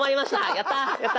やった！